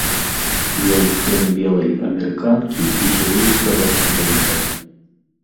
Ён сын белай амерыканкі і сірыйскага студэнта.